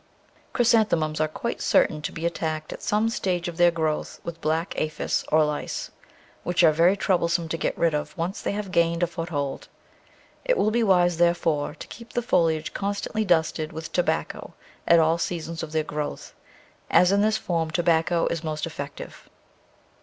Chrysan themums are quite certain to be attacked at some stage of their growth with black aphis, or lice, which are very troublesome to get rid of once they have gained a foothold. It will be wise, therefore, to keep the foliage constantly dusted with tobacco at all seasons of their growth, as in this form tobacco is most effect ive.